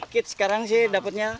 sedikit sekarang sih dapetnya